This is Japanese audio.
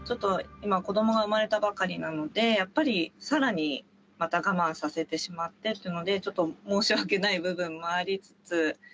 今、子どもが産まれたばかりなので、やっぱり、さらにまた我慢させてしまってっていうので、ちょっと申し訳ない部分もありつつ。